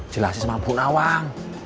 jelasin sama bu nawang